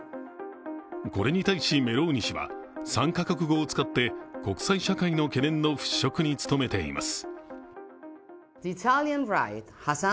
これに対し、メローニ氏は３か国語を使って国際社会の懸念の払拭に努めています。